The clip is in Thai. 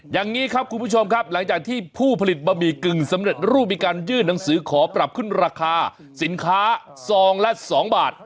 อย่างนี้ครับคุณผู้ชมครับหลังจากที่ผู้ผลิตบะหมี่กึ่งสำเร็จรูปมีการยื่นหนังสือขอปรับขึ้นราคาสินค้าซองละ๒บาท